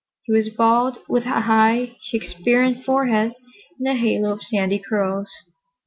He was bald, with a high, Shaksperian forehead and a halo of sandy curls.